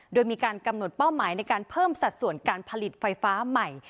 โดยมีการกำหนดเป้าหมายในการเพิ่มสัดส่วนการผลิตไฟฟ้าใหม่